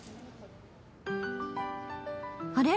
あれ？